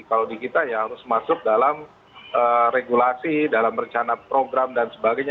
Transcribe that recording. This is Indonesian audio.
kalau di kita ya harus masuk dalam regulasi dalam rencana program dan sebagainya